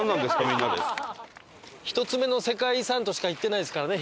１つ目の世界遺産としか言ってないですからね